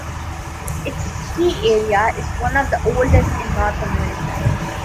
Its ski area is one of the oldest in North America.